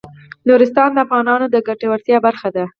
نورستان د افغانانو د ګټورتیا برخه ده.